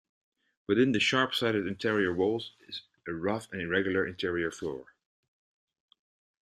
Within the sharp-sided interior walls is a rough and irregular interior floor.